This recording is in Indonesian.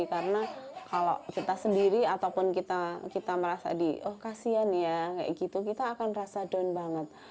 karena kalau kita sendiri ataupun kita merasa di oh kasian ya kita akan merasa down banget